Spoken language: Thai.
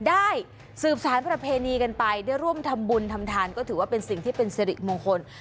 ได้สืบสารประเพณีกันไปได้ร่วมทำบุญทำทานก็ถือว่าเป็นสิ่งที่เป็นสิริมงคล